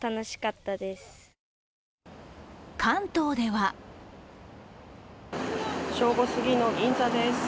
関東では正午すぎの銀座です。